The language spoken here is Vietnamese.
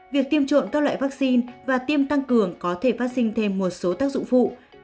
việc tiêm trộm các loại vaccine và tiêm tăng cường có thể phát sinh thêm một số tác dụng phụ